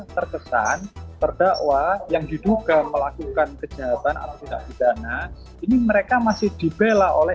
terkesan terdakwa yang diduga melakukan kejahatan atau tidak pidana ini mereka masih dibela oleh